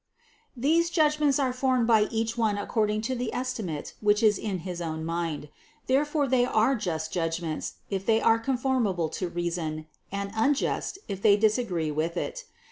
These judgments are formed by each one according to the estimate which is in his own mind : therefore they are just judgments, if they are conform able to reason, and unjust, if they disagree with it.